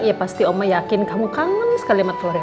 iya pasti oma yakin kamu kangen sekali sama telur ya